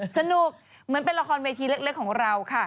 สนุกเหมือนเป็นละครเวทีเล็กของเราค่ะ